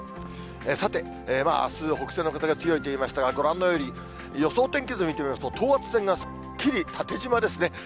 さて、あす、北西の風が強いといいましたが、ご覧のように、予想天気図見てみますと、等圧線がすっきり縦じまですね。